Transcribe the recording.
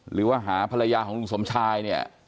หรือว่าหาภรรยาของลุงสมชายเนี่ย